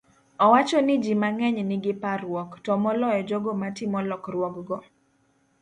owacho ni ji mang'eny nigi parruok, to moloyo jogo matimo lokruokgo.